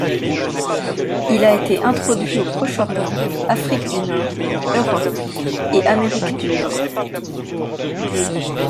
Il a été introduit au Proche-Orient, Afrique du Nord, Europe et Amérique du Nord.